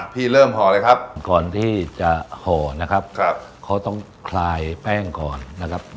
พี่เริ่มห่อเลยครับก่อนที่จะห่อนะครับเขาต้องคลายแป้งก่อนนะครับ